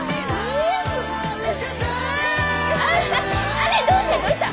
あれどうしたどうした？